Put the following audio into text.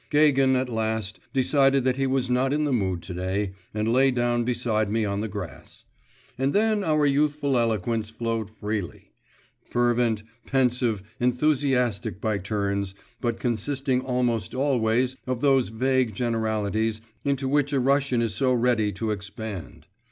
Gagin, at last, decided that he was not in the mood to day, and lay down beside me on the grass. And then our youthful eloquence flowed freely; fervent, pensive, enthusiastic by turns, but consisting almost always of those vague generalities into which a Russian is so ready to expand.